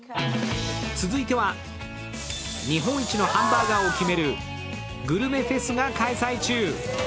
続いては、日本一のハンバーガーを決めるグルメフェスが開催中。